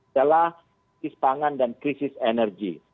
yaitu ispangan dan krisis energi